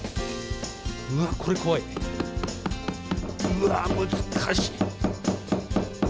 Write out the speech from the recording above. うわ難しい。